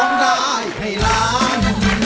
ร้องได้ให้ล้าน